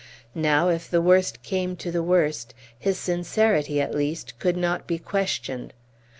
Now, if the worst came to the worst, his sincerity at least could not be questioned.